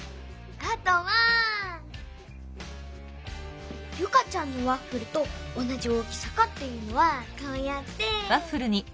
あとはユカちゃんのワッフルとおなじ大きさかっていうのはこうやって。